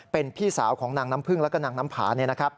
เป็นพี่สาวของนางน้ำพึ่งแล้วก็นางน้ำผา